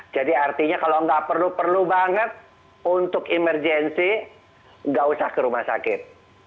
jadi artinya kalau nggak perlu perlu banget untuk emergensi nggak usah ke rumah sakit